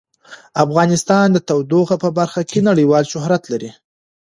افغانستان د تودوخه په برخه کې نړیوال شهرت لري.